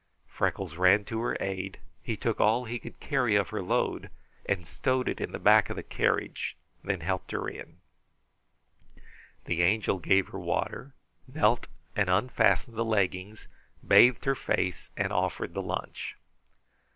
Freckles ran to her aid. He took all he could carry of her load, stowed it in the back of the carriage, and helped her in. The Angel gave her water, knelt and unfastened the leggings, bathed her face, and offered the lunch.